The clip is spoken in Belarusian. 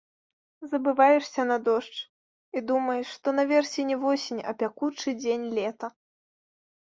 Забываешся на дождж і думаеш, што наверсе не восень, а пякучы дзень лета.